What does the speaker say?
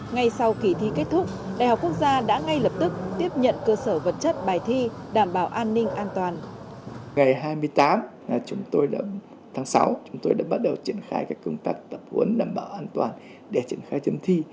ngày hai mươi tám tháng sáu chúng tôi đã bắt đầu triển khai các công tác tập huấn đảm bảo an toàn để triển khai chấm thi